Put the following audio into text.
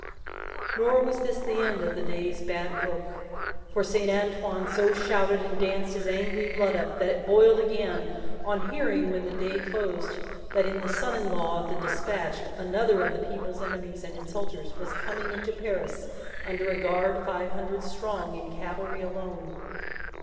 Nor was this the end of the day's bad work, for Saint Antoine so shouted and danced his angry blood up, that it boiled again, on hearing when the day closed in that the son in law of the despatched, another of the people's enemies and insulters, was coming into Paris under a guard five hundred strong, in cavalry alone.